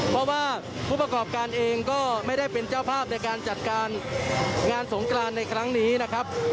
เพราะว่าผู้ประกอบการเองก็ไม่ได้เป็นเจ้าภาพในการจัดการงานสงกรานในครั้งนี้นะครับ